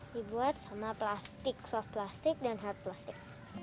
dibuat sama plastik soft plastik dan hard plastik